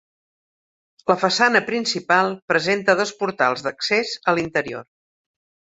La façana principal presenta dos portals d'accés a l'interior.